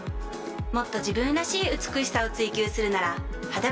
もっと自分らしい「美しさ」を追求するなら「肌分析」！